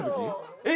えっ！？